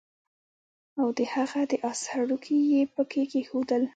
او د هغه د آس هډوکي يې پکي کېښودل